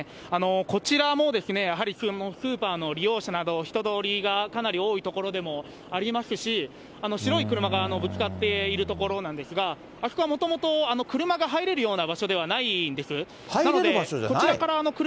こちらも、やはり、スーパーの利用者など、人通りがかなり多い所でもありますし、白い車がぶつかっている所なんですが、あそこはもともと車が入れるような場所ではないんです。